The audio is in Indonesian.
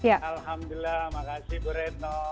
alhamdulillah makasih bu retno